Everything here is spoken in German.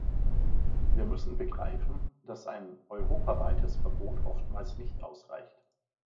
Wir müssen begreifen, dass ein europaweites Verbot oftmals nicht ausreicht.